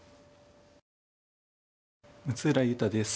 六浦雄太です。